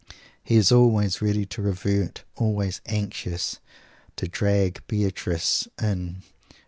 He is always ready to revert, always anxious to "drag Beatrice in."